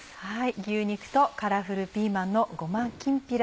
牛肉とカラフルピーマンのごまきんぴら。